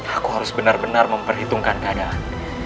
aku harus benar benar memperhitungkan keadaan